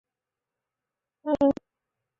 游戏收到好评。